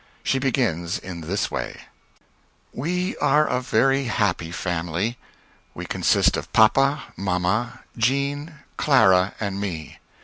She begins in this way: We are a very happy family. We consist of Papa, Mamma, Jean, Clara and me.